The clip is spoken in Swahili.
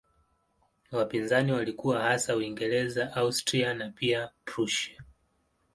Wapinzani walikuwa hasa Uingereza, Austria na pia Prussia.